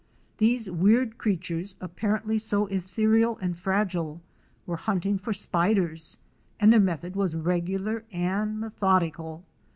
These weird crea tures, apparently so ethereal and fragile, were hunting for spiders, and their method was regular and methodical.